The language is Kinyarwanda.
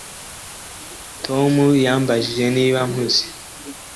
Tom yambajije niba mpuze